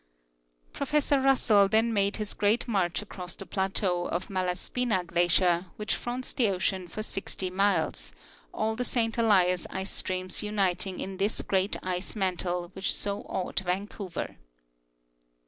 Professor Russell then made his great march across the pla teau of Malaspina glacier, which fronts the ocean for 60 miles, all the Saint Elias ice streams uniting in this great ice mantle which so awed Vancouver.